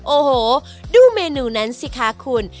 โอ้โหดูเมนูนั้นสิคะคุณ